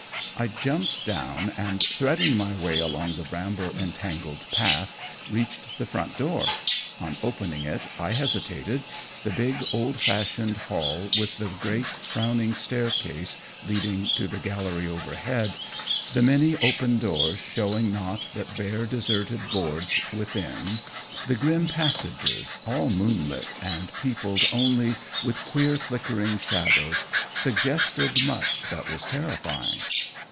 I jumped down, and threading my way along the bramble entangled path, reached the front door. On opening it, I hesitated. The big, old fashioned hall, with the great, frowning staircase leading to the gallery overhead, the many open doors showing nought but bare, deserted boards within, the grim passages, all moonlit and peopled only with queer flickering shadows, suggested much that was terrifying.